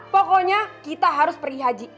pokoknya kita harus perih haji